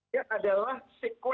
ini adalah sequel